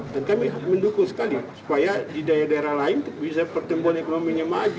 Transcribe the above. dan kami mendukung sekali supaya di daerah daerah lain bisa pertumbuhan ekonominya maju